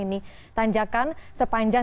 dan di tanjakan sepanjang